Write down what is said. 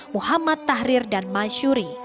muhammad tahrir dan masyuri